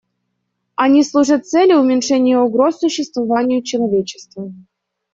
Они служат цели уменьшения угроз существованию человечества.